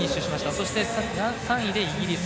そして３位でイギリス。